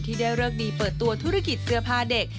ได้เลิกดีเปิดตัวธุรกิจเสื้อผ้าเด็ก